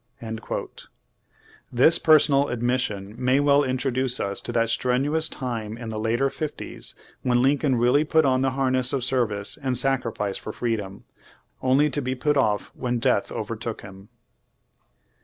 "^ This personal admission may well introduce us to that strenuous time in the later fifties, when Lincoln really put on the harness of service and sacrifice for freedom, only to be put off when death overtook him.